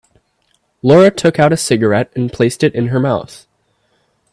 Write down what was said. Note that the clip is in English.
Laura took out a cigarette and placed it in her mouth.